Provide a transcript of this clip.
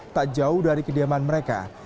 tak jauh dari kediaman mereka